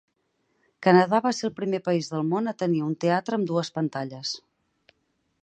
Canadà va ser el primer país del món a tenir un teatre amb dues pantalles.